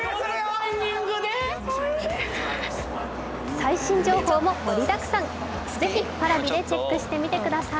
最新情報も盛りだくさん、ぜひＰａｒａｖｉでチェックしてみてください。